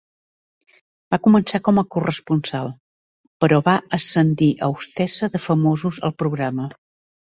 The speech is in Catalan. Va començar com a corresponsal, però va ascendir a hostessa de famosos al programa.